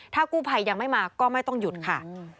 ถ้ากู้ภัยยังไม่มาก็ไม่ต้องหยุดค่ะ